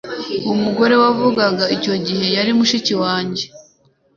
Umugore wavuganaga icyo gihe yari mushiki wanjye.